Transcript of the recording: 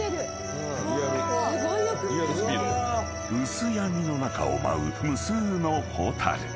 ［薄闇の中を舞う無数のホタル］